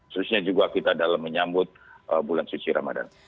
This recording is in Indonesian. selesainya juga kita dalam menyambut bulan suci ramadhan